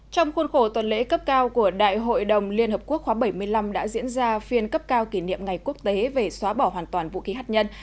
trong khuôn khổ tuần lễ cấp cao của đại hội đồng liên hợp quốc khóa bảy mươi năm đã diễn ra phiên cấp cao kỷ niệm ngày quốc tế về xóa bỏ hoàn toàn vũ khí hạt nhân